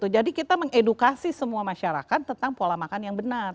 jadi kita mengedukasi semua masyarakat tentang pola makan yang benar